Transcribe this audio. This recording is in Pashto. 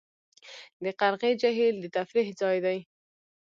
د قرغې جهیل د تفریح ځای دی